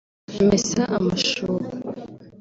mesa amashuka